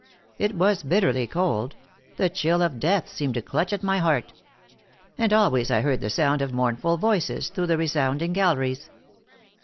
It was bitterly cold; the chill of death seemed to clutch at my heart. And always I heard the sound of mournful voices through the resounding galleries."